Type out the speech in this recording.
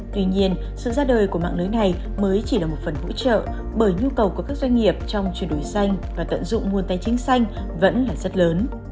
tuy nhiên sự ra đời của mạng lưới này mới chỉ là một phần hỗ trợ bởi nhu cầu của các doanh nghiệp trong chuyển đổi xanh và tận dụng nguồn tài chính xanh vẫn là rất lớn